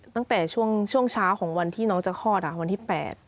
ตั้งแต่ช่วงเช้าของวันที่น้องจะคลอดวันที่๘